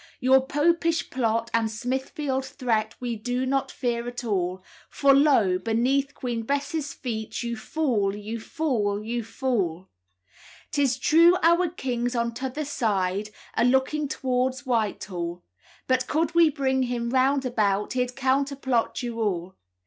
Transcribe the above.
"Your Popish plot, and Smithfield threat, We do not fear at all, For, lo! beneath Queen Bess's feet, You fall! you fall! you fall! "'Tis true our king's on t'other side, A looking t'wards Whitehall, But could we bring him round about, He'd counterplot you all.